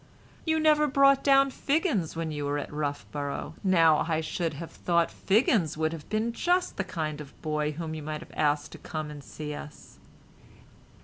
"You never brought down Figgins when you were at Roughborough; now I should have thought Figgins would have been just the kind of boy whom you might have asked to come and see us."